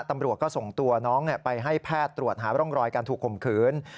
ตำรวจก็ส่งตัวน้องไปให้แพทย์ตรวจหาร่องรอยการถูกข่มขืน